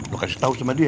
lo kasih tau sama dia ya